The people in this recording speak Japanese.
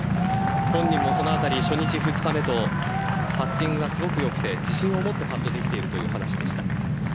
本人もそのあたり初日２日目とパッティングがすごく良くて自信を持ってできていると話していました。